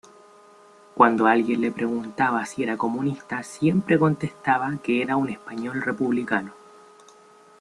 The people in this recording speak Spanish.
Cuando alguien le preguntaba si era comunista siempre contestaba que era un español republicano.